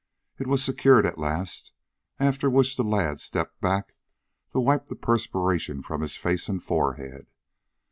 It was secured at last, after which the lad stepped back to wipe the perspiration from his face and forehead.